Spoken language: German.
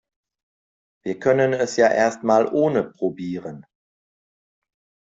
Wir können es ja erst mal ohne probieren.